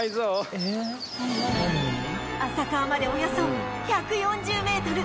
浅川までおよそ１４０メートル